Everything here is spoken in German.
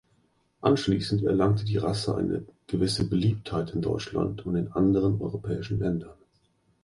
Anschließend erlangte die Rasse eine gewisse Beliebtheit in Deutschland und anderen europäischen Ländern.